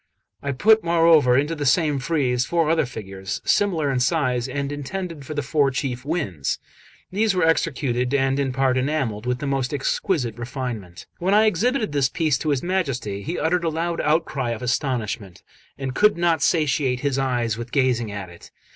I put, moreover, into the same frieze four other figures, similar in size, and intended for the four chief winds; these were executed, and in part enamelled, with the most exquisite refinement. 1 When I exhibited this piece to his Majesty, he uttered a loud outcry of astonishment, and could not satiate his eyes with gazing at it.